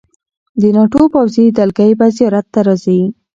د ناټو پوځي دلګۍ به زیارت ته راځي.